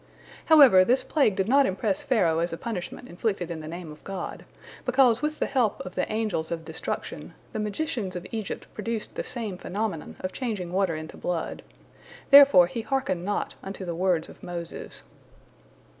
However, this plague did not impress Pharaoh as a punishment inflicted in the name of God, because with the help of the Angels of Destruction the magicians of Egypt produced the same phenomenon of changing water into blood. Therefore he hearkened not unto the words of Moses.